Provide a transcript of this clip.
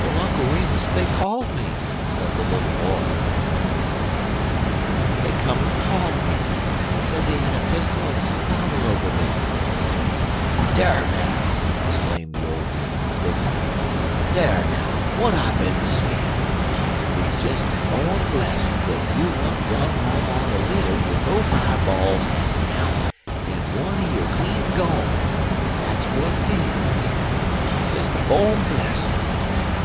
"Well, Uncle Remus, they called me," said the little boy, in a penitent tone. 'They come and called me, and said they had a pistol and some powder over there." "Dar now!" exclaimed the old man, indignantly. "Dar now! w'at I bin sayin'? Hit's des a born blessin' dat you wa'n't brung home on a litter wid bofe eyeballs hangin' out en one year clean gone; dat's w'at 'tis. Hit's des a born blessin'.